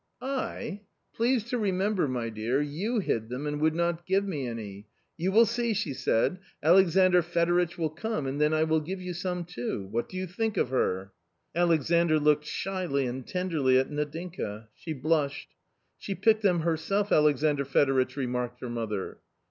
" I ! please to remember, my dear, you hid them aud would not give me any. 'You will see/ she said, ' Alexandr Fedoritch will come, and then I will give you some too.' What do you think of her? " Alexandr looked shyly and tenderly at Nadinka. She blushed. " She picked them herself, Alexandr Fedoritch," remarked her mother.